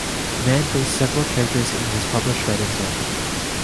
Mann based several characters in his published writings on him.